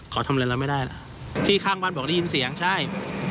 เขาทำอะไรเราไม่ได้ล่ะที่ข้างบ้านบอกได้ยินเสียงใช่